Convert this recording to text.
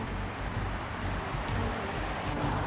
แรงจริง